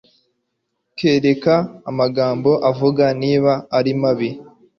Kereka amagambo avuga niba ari mabi